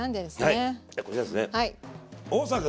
はいこちらですね。